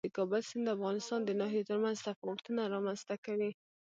د کابل سیند د افغانستان د ناحیو ترمنځ تفاوتونه رامنځ ته کوي.